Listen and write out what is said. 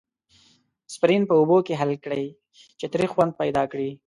اسپرین په اوبو کې حل کړئ چې تریخ خوند پیدا کړي.